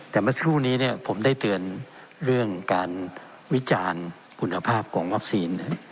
แต่เมื่อสักครู่นี้ผมได้เตือนเรื่องการวิจารณ์คุณภาพของวัคซีน